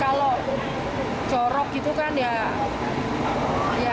kalau jorok gitu kan ya ya kan apa ya